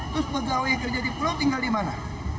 terus pegawai kerja di pulau tinggal di mana